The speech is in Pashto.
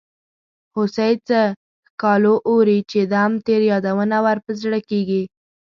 هوسۍ څه ښکالو اوري یو دم تېر یادونه ور په زړه کیږي.